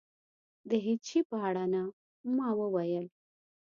د هېڅ شي په اړه نه. ما وویل.